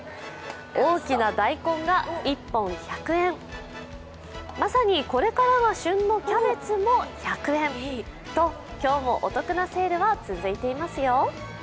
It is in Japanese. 大きな大根が１本１００円、まさにこれからが旬のキャベツも１００円と今日もお得なセールは続いていますよ。